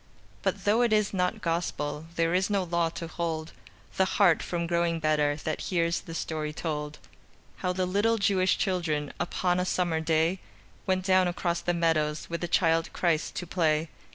But though it is not Gospel, There is no law to hold The heart from growing better That hears the story told: How the little Jewish children Upon a summer day, Went down across the meadows With the Child Christ to play.